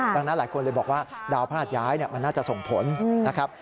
ดังนั้นหลายคนเลยบอกว่าดาวพระหัสย้ายมันน่าจะส่งผลนะครับ